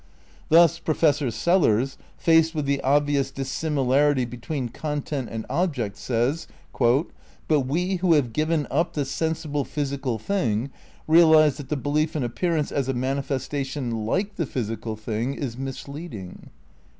Thus Professor Sellars, faced with the obvious dissimilarity between content and object, says "But we who have given up the sensible physical thing realize that the belief in appearance as a manifestation like the physical thing is misleading."